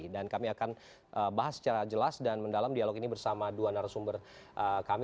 dan kami akan bahas secara jelas dan mendalam dialog ini bersama dua narasumber kami